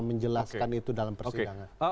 menjelaskan itu dalam persidangan